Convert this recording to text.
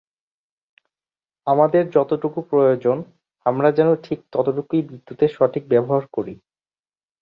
আমাদের যতটুকু প্রয়োজন আমরা যেন ঠিক ততটুকুই বিদ্যুতের সঠিক ব্যবহার করি।